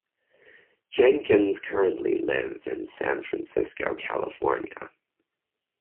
Jenkins currently lives in San Francisco, California.